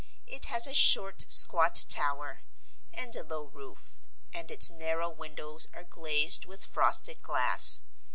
It has a short, squat tower and a low roof, and its narrow windows are glazed with frosted glass.